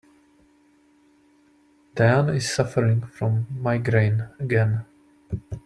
Diana is suffering from migraine again.